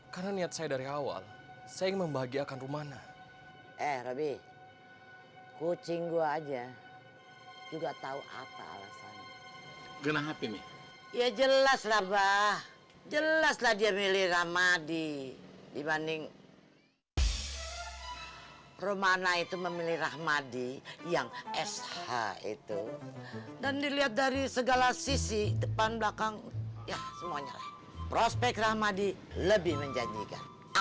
kenapa sih baru nyampe udah main semprot aja gila